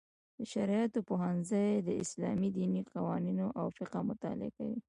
د شرعیاتو پوهنځی د اسلامي دیني قوانینو او فقه مطالعه کوي.